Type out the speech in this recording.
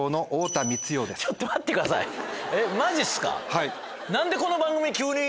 はい。